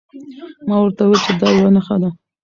ما ورته وویل چې دا یوه نښه ده.